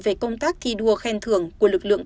về công tác thi đua khen thưởng của lực lượng